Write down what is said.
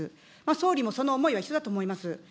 総理もその思いは一緒だと思います。